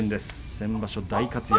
先場所、大活躍。